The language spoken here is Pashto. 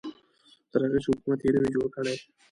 تر هغې چې حکومت یې نه وي جوړ کړی.